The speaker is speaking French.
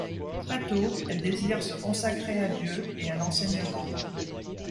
Très tôt, elle désire se consacrer à Dieu et à l'enseignement.